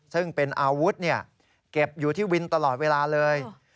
ซึ่งเป็นอาวุธเก็บอยู่ที่วินตลอดเวลาเลย